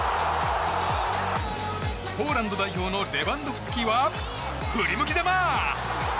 ポーランド代表のレバンドフスキは振り向きざま！